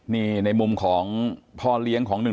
นี่ในมุมของพ่อเลี้ยงของหนึ่ง